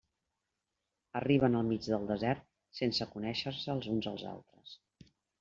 Arriben al mig del desert sense conèixer-se els uns als altres.